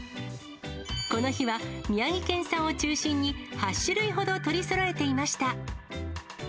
この日は宮城県産を中心に８種類ほどを取りそろえていました。